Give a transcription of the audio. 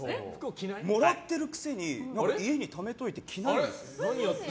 もらっているくせに家にためておいて着ないんですよ。